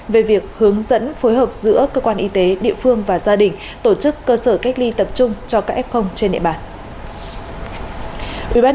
về việc hướng dẫn phối hợp giữa cơ quan y tế địa phương và gia đình tổ chức cơ sở cách ly tập trung cho các f trên địa bàn